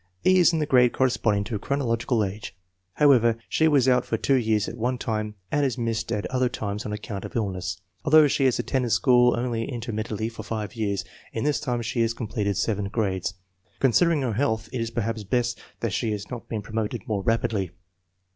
E. is in the grade corresponding to chronological age. However, she was out for two years at one time and has missed at other times on account of illness. Although she has attended school only intermittently for five years, in this time she has completed seven grades. Considering her health, it is perhaps best that she has not been promoted more rapidly.